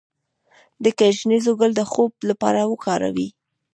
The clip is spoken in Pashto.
د ګشنیز ګل د خوب لپاره وکاروئ